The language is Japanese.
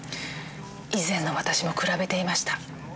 以前の私も比べていました。